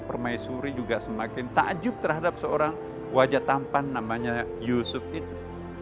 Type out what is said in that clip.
permaisuri juga semakin takjub terhadap seorang wajah tampan namanya yusuf itu